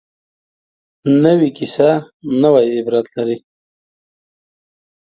نوې کیسه نوې عبرت لري